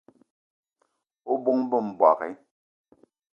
O bóng-be m'bogué!